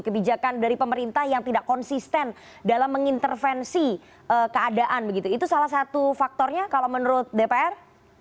kebijakan dari pemerintah yang tidak konsisten dalam mengintervensi keadaan begitu itu salah satu faktornya kalau menurut dpr